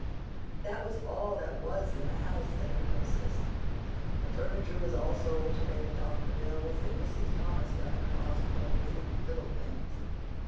"That was all that was in the house," said her hostess. "The furniture was all sold to pay the doctor bills, and Mrs. Thomas got your ma's clothes and little things.